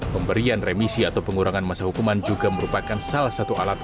pemberian remisi atau pengurangan masa hukuman juga merupakan salah satu alat